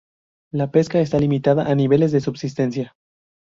La pesca está limitada a niveles de subsistencia.